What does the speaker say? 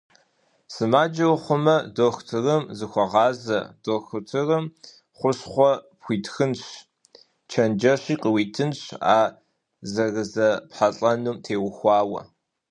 Сымаджэ ухъумэ, дохутырым зыхуэгъазэ, дохутырым хущхъуэ пхуитхынщ, чэнджэщи къуитынщ ар зэрызэпхьэлӀэнум теухуауэ.